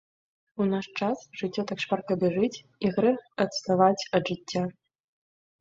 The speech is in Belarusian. У наш час жыццё так шпарка бяжыць і грэх адставаць ад жыцця.